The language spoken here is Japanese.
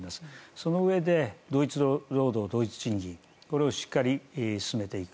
そのうえで、同一労働同一賃金これをしっかり進めていく。